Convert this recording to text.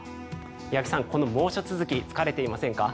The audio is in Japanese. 八木さん、この猛暑続き疲れていませんか？